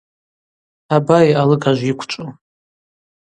Абари алыгажв йыквчӏву.